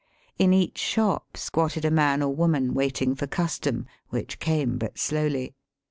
In each shop squatted a man or woman waiting for custom, which came but slowly.